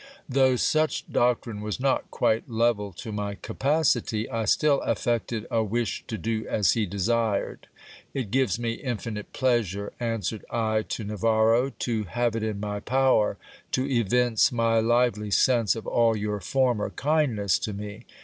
Though such doctrine was not quite level to my capacity, I still affected a wish to do as he desired. It gives me infinite pleasure, answered I to Navarro, to have it in my power to evince my lively sense of all your former kindness to me.